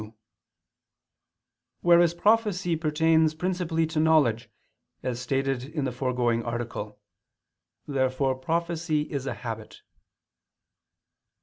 2); whereas prophecy pertains principally to knowledge, as stated in the foregoing Article. Therefore prophecy is a habit.